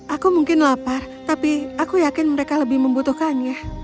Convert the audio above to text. aku mungkin lapar tapi aku yakin mereka lebih membutuhkannya